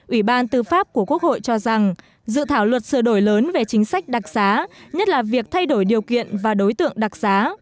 ủy ban tư pháp của quốc hội cho rằng dự thảo luật sửa đổi lớn về chính sách đặc xá nhất là việc thay đổi điều kiện và đối tượng đặc giá